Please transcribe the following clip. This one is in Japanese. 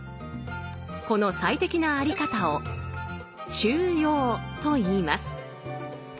この最適なあり方を「中庸」といいます。